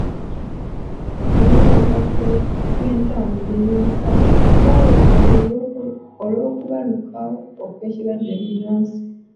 Okuwerebwa kw'entambula ey'olukale kwaleetebwa olw'okubalukawo kw'ekirwadde bbunansi.